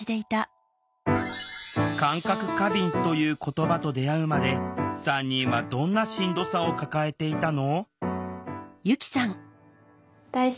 「感覚過敏」という言葉と出会うまで３人はどんなしんどさを抱えていたの？